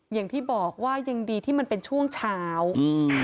อย่างที่บอกว่ายังดีที่มันเป็นช่วงเช้าอืม